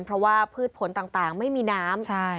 เพราะว่าพืชผลต่างไม่มีน้ำ